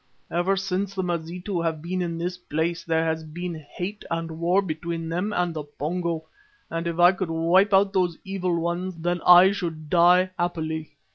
Ever since the Mazitu have been in this place there has been hate and war between them and the Pongo, and if I could wipe out those evil ones, then I should die happily."